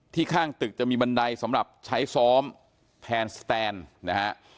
ข้างตึกจะมีบันไดสำหรับใช้ซ้อมแทนสแตนนะฮะ